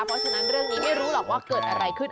เพราะฉะนั้นเรื่องนี้ไม่รู้หรอกว่าเกิดอะไรขึ้น